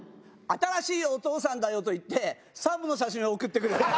新しいお父さんだよと言ってＳＡＭの写真を送ってくる。